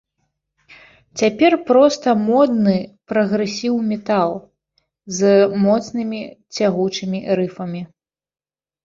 Цяпер проста модны прагрэсіў-метал, з моцнымі цягучымі рыфамі.